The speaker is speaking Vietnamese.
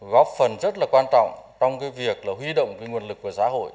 góp phần rất là quan trọng trong cái việc là huy động cái nguồn lực của xã hội